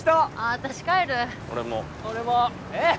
私帰る俺も俺もえっ？